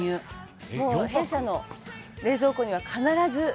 「もう弊社の冷蔵庫には必ず」